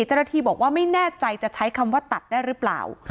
เจ้าหน้าที่บอกว่าไม่แน่ใจจะใช้คำว่าตัดได้หรือเปล่า